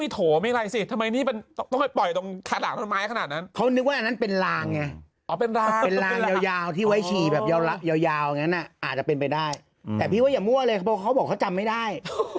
แต่พี่ต้องมั่วเพราะเขาบอกว่าเขาจำไม่ได้